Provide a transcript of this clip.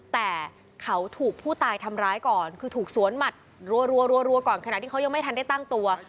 แต่เขาถูกผู้ตายทำร้ายก่อนคือถูกสวนหมัดรัวก่อนขณะที่เขายังไม่ทันได้ตั้งตัว